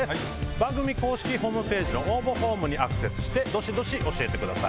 番組ホームページの応募フォームにアクセスしてどしどし教えてください。